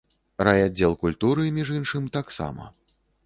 Райаддзел культуры, між іншым, таксама.